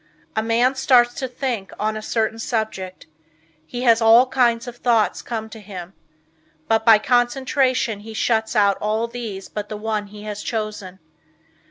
A man starts to think on a certain subject. He has all kinds of thoughts come to him, but by concentration he shuts out all these but the one he has chosen.